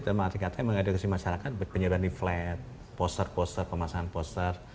termasuk mengadopsi masyarakat penyebani flat poster poster pemasangan poster